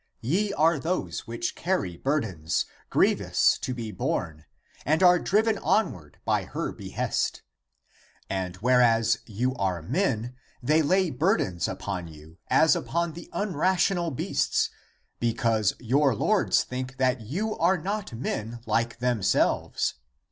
Ye are those which carry burdens, grievous to be borne,'^ and are driven onward by her (the wom an's) behest. And whereas you are men they lay burdens upon you, as upon the unrational beasts, be cause your lords think that you are not men like themselves.